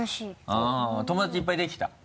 あっ友達いっぱいできた？